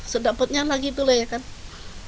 sedapetnya lagi itu lah ya kan